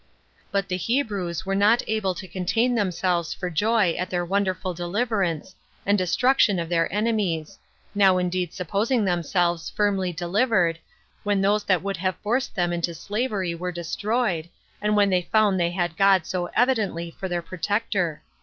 4. But the Hebrews were not able to contain themselves for joy at their wonderful deliverance, and destruction of their enemies; now indeed supposing themselves firmly delivered, when those that would have forced them into slavery were destroyed, and when they found they had God so evidently for their protector.